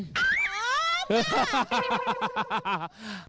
พร้อม